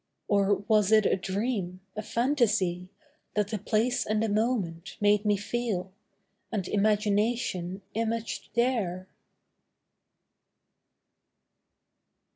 Or was it a dream, a fantasy, That the place and the moment made me feel, And imagination imaged there?